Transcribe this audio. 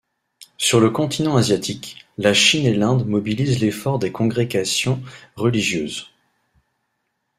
Sur le continent asiatique, la Chine et l’Inde mobilisent l’effort des congrégations religieuses.